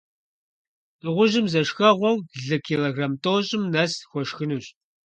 Дыгъужьым зэ шхэгъуэу лы килограмм тIощIым нэс хуэшхынущ.